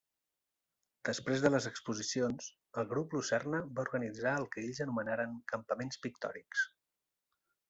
Després de les exposicions el Grup Lucerna va organitzar el que ells anomenaren Campaments Pictòrics.